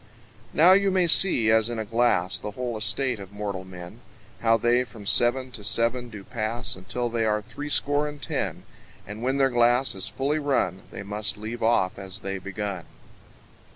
Now you may see, as in a glass, The whole estate of mortal men; How they from seven to seven do pass, Until they are threescore and ten; And when their glass is fully run, They must leave off as they begun.